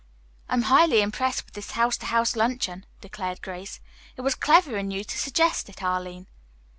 "I am highly impressed with this house to house luncheon," declared Grace. "It was clever in you to suggest it, Arline."